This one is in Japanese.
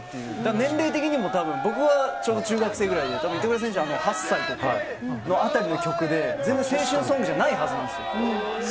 年齢的にも僕は小中学生ぐらいで板倉選手は８歳とか辺りの曲で全然青春ソングじゃないはずなんですよ。